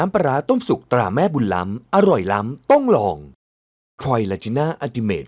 พอขอนไม้มาขวางแบบเนี้ย